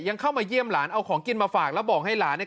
เข้ามาเยี่ยมหลานเอาของกินมาฝากแล้วบอกให้หลานเนี่ย